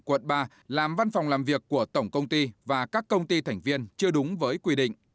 quận ba làm văn phòng làm việc của tổng công ty và các công ty thành viên chưa đúng với quy định